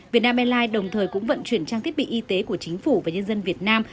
việt nam airlines đồng thời cũng vận chuyển trang thiết bị y tế của chính phủ và nhân dân việt nam